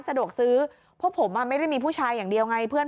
สะดวกซื้อเพราะผมไม่ได้มีผู้ชายอย่างเดียวไงเพื่อน